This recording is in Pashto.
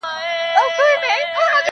• او ویل یې چي د جوزجان ولایت -